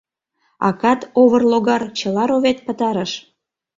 Акат, овырлогар, чыла ровед пытарыш.